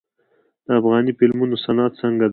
د افغاني فلمونو صنعت څنګه دی؟